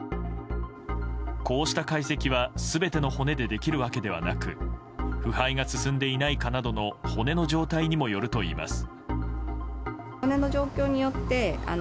こうした解析は全ての骨でできるわけではなく腐敗が進んでいないかなどの骨の状態にもよります。